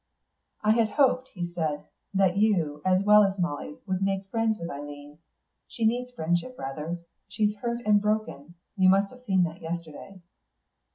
"I had hoped," he said, "that you, as well as Molly, would make friends with Eileen. She needs friendship rather. She's hurt and broken; you must have seen that yesterday."